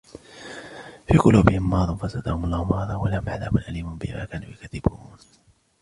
فِي قُلُوبِهِمْ مَرَضٌ فَزَادَهُمُ اللَّهُ مَرَضًا وَلَهُمْ عَذَابٌ أَلِيمٌ بِمَا كَانُوا يَكْذِبُونَ